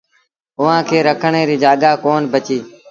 اُئآݩٚ کي رکڻ ريٚ جآڳآ ڪون بچي